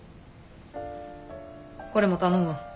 これも頼むわ。